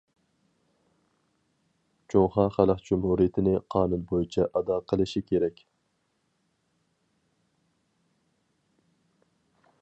جۇڭخۇا خەلق جۇمھۇرىيىتىنى قانۇن بويىچە ئادا قىلىشى كېرەك.